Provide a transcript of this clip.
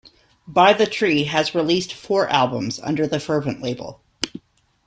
By the Tree has released four albums under the Fervent label.